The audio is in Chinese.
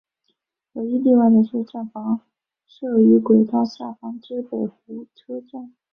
唯一例外是站房设于轨道下方之北湖车站。